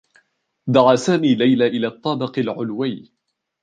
دعى سامي ليلى إلى الطّابق العلوي.